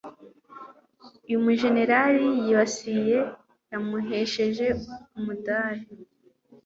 Uyu mujenerali yibasiye yamuhesheje umudari